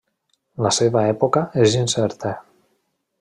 La seva època és incerta.